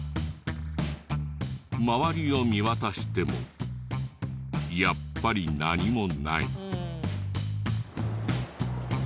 周りを見渡してもやっぱり何もない。